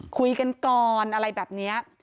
คุยกันก่อนอะไรแบบนี้